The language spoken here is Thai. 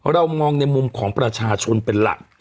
เรามองในมุมของประชาชนเป็นหลัก